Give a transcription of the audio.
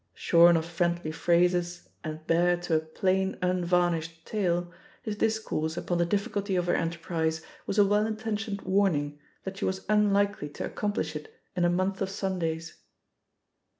Shorn of friendly phrases and bared to a plain unvarnished tale, his discourse upon the diflSculty of her enterprise was a well intentioned warning that she was unlikely to ac complish it in a month of Sundays.